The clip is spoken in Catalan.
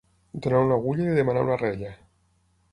Donar una agulla i demanar una rella.